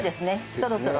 そろそろ。